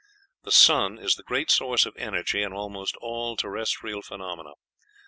"The sun is the great source of energy in almost all terrestrial phenomena.